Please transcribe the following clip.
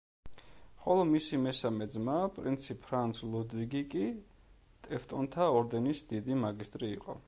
ხოლო მისი მესამე ძმა, პრინცი ფრანც ლუდვიგი კი ტევტონთა ორდენის დიდი მაგისტრი იყო.